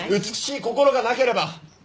美しい心がなければ！